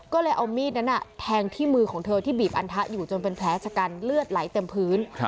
ก็เลยเอามีดนั้นแทงที่มือของเธอที่บีบอันทะอยู่จนเป็นแผลชะกันเลือดไหลเต็มพื้น